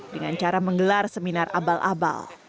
dengan cara menggelar seminar abal abal